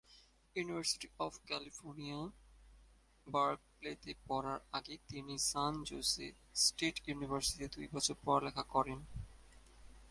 University of California, বার্কলেতে পড়ার আগে তিনি সান জোসে স্টেট ইউনিভার্সিটিতে দুই বছর পড়ালেখা করেন।